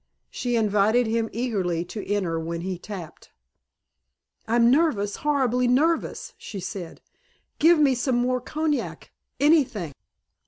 She invited him eagerly to enter when he tapped. "I'm nervous, horribly nervous," she said. "Give me some more cognac anything."